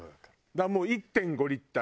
だからもう１．５リッター。